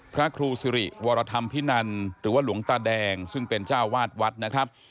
พระครูสิริวรธรรมพินันหรือว่าหลวงตาแดงซึ่งเป็นเจ้าวาดวัดนะครับ